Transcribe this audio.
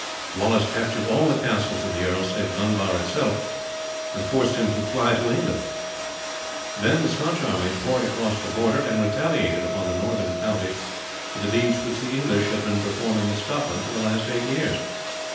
Wallace captured all the castles of the earl save Dunbar itself, and forced him to fly to England; then the Scotch army poured across the Border and retaliated upon the northern counties for the deeds which the English had been performing in Scotland for the last eight years.